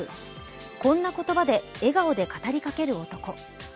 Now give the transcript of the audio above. こんな言葉で笑顔で語りかける男。